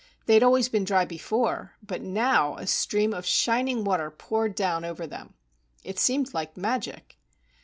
They had always been dry before, but now a stream of shining water poured down over them. It seemed like magic.